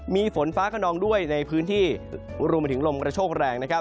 มีฝนฟ้ากระนองด้วยในพื้นที่รุมถึงลมกระโชคแรง